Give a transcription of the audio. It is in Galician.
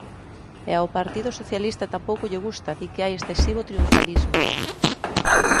E ao Partido Socialista tampouco lle gusta, di que hai excesivo triunfalismo.